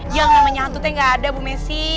yang sama nyantutnya gak ada bu messi